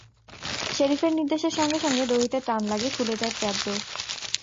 শেরিফের নির্দেশের সঙ্গে সঙ্গে দড়িতে টান লাগে, খুলে যায় ট্র্যাপ ডোর।